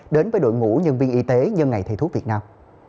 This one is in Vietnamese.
đến với đội ngũ nhân viên y tế nhân ngày thầy thuốc việt nam